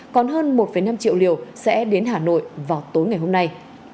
còn hơn một năm triệu liều sẽ đến hà nội vào tối nay